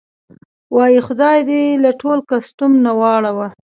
وایي: خدای دې له ټل کسټم نه واړوه.